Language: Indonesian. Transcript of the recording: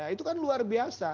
itu kan luar biasa